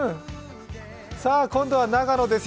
今度は長野です。